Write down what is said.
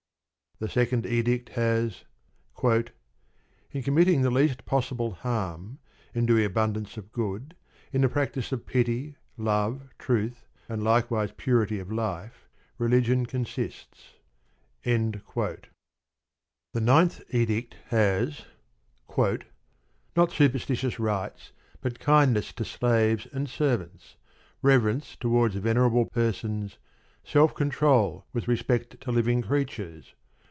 The Second Edict has: In committing the least possible harm, in doing abundance of good, in the practice of pity, love, truth, and likewise purity of life, religion consists. The Ninth Edict has: Not superstitious rites, but kindness to slaves and servants, reverence towards venerable persons, self control with respect to living creatures...